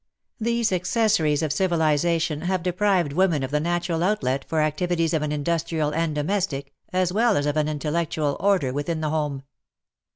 These accessaries of civilization have deprived v^omen of the natural outlet for activities of an industrial and domestic, as well as of an intellectual, order within the home.